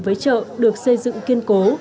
với chợ được xây dựng kiên cố